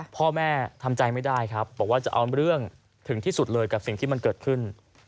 พ่อแม่ทำใจไม่ได้ครับบอกว่าจะเอาเรื่องถึงที่สุดเลยกับสิ่งที่มันเกิดขึ้น